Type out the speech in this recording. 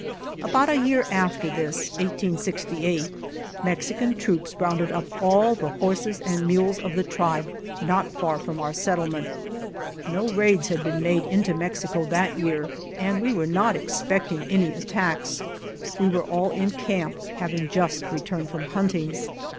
About a year after this (1868) Mexican troops rounded up all the horses and mules of the tribe not far from our settlement. No raids had been made into Mexico that year, and we were not expecting any at tacks. We were all in camp, having just returned from hunting.